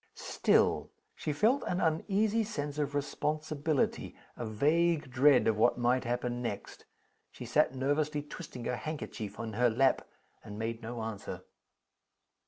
Still, she felt an uneasy sense of responsibility a vague dread of what might happen next. She sat nervously twisting her handkerchief in her lap, and made no answer.